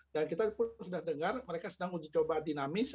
dan kita pun sudah dengar mereka sedang mencoba dinamis